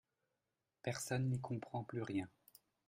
Personne n’y comprend plus rien.